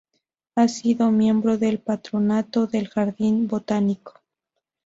Ha sido miembro del Patronato del Jardín Botánico.